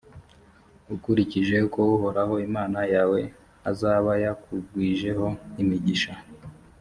ukurikije uko uhoraho imana yawe azaba yakugwijeho imigisha.